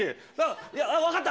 いや、分かった。